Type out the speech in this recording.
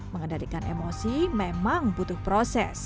mengendalikan emosi memang butuh proses